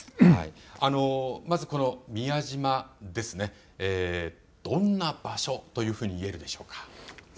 まずこの宮島、どんな場所というふうに言えるでしょうか。